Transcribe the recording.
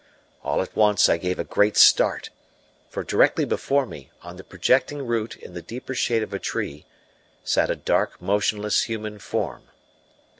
All at once I gave a great start, for directly before me, on the projecting root in the deeper shade of a tree, sat a dark, motionless human form.